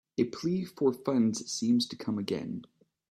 A plea for funds seems to come again.